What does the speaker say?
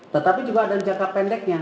tetapi juga ada jangka pendeknya